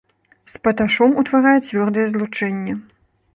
З паташом утварае цвёрдае злучэнне.